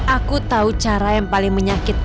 aku tahu cara yang paling menyakitkan